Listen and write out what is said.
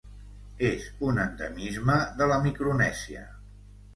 És un endemisme de la Micronèsia.